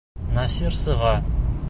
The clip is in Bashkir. Насир сыға.